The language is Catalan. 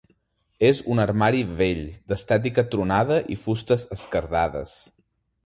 És un armari vell, d'estètica tronada i fustes esquerdades.